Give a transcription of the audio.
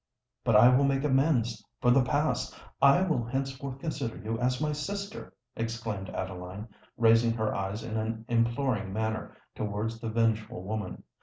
_" "But I will make amends for the past—I will henceforth consider you as my sister," exclaimed Adeline, raising her eyes in an imploring manner towards the vengeful woman.